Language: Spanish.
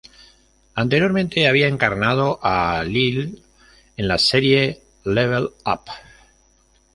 Anteriormente había encarnado a Lyle en la serie "Level Up".